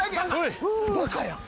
バカやん。